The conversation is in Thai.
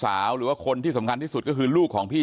แม้นายเชิงชายผู้ตายบอกกับเราว่าเหตุการณ์ในครั้งนั้น